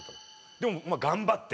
でも頑張って。